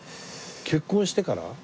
結婚してから？